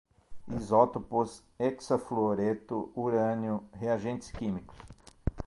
isótopos, hexafluoreto, urânio, reagentes químicos